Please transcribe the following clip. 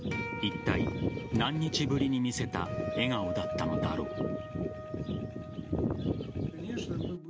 いったい何日ぶりに見せた笑顔だったのだろう。